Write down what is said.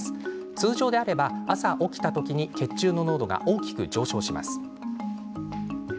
通常であれば、朝起きた時に血中の濃度が大きく上昇します。